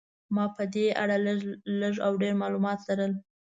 ما په دې اړه لږ او ډېر معلومات لرل.